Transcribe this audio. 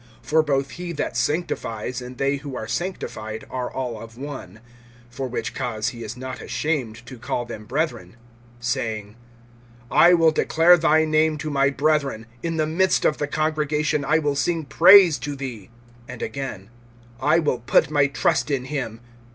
(11)For both he that sanctifies and they who are sanctified are all of one; for which cause he is not ashamed to call them brethren, (12)saying: I will declare thy name to my brethren; In the midst of the congregation I will sing praise to thee. (13)And again: I will put my trust in him.